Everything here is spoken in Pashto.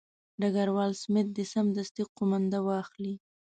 ډګروال سمیت دې سمدستي قومانده واخلي.